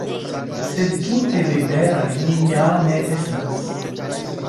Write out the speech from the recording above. Sed tute liberaj ni ja ne estas.